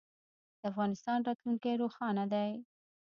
د افغانستان راتلونکی روښانه دی